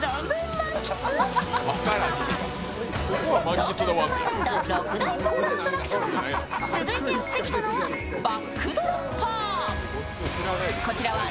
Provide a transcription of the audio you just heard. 東京サマーランド６大プールアトラクション、続いてやってきたのは、バックドロッパー。